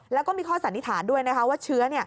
แล้วก็มีข้อสันนิษฐานด้วยนะคะว่าเชื้อ